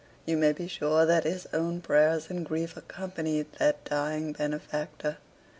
You may be sure that his own prayers and grief accompanied that dying benefactor.